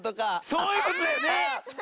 そういうことだよね！